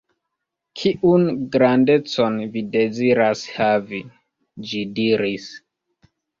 "Kiun grandecon vi deziras havi?" ĝi diris.